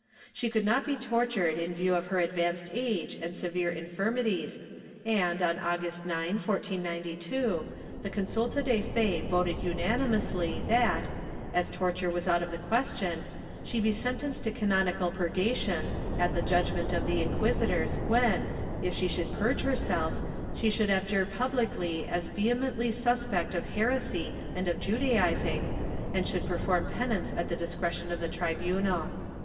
She could not be tortured in view of her advanced age and severe infirmities and, on August 9, 1492, the consulta de fe voted unanimously that, as torture was out of the question, she be sentenced to canonical purgation, at the judgement of the inquisitors when, if she should purge herself, she should abjure publicly as vehemently suspect of heresy and of Judaizing, and should perform penance at the discretion of the tribunal.